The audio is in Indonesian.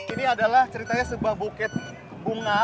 ini adalah ceritanya sebuah bukit bunga